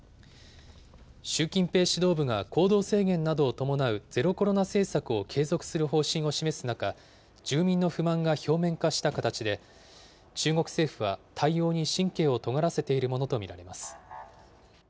習近平指導部が行動制限などを伴うゼロコロナ政策を継続する方針を示す中、住民の不満が表面化した形で、中国政府は対応に神経をとがらせているものと見られます。